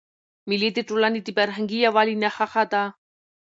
مېلې د ټولني د فرهنګي یووالي نخښه ده.